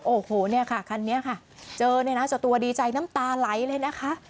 โอ้โฮคันนี้ค่ะเจอตัวดีใจน้ำตาไหลเลยนะคะ